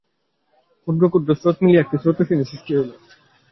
ক্ষুদ্র ক্ষুদ্র স্রোত মিলিত হইয়া একটি স্রোতস্বতী সৃষ্টি করিল।